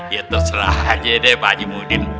ya terserah aja deh pak haji mudin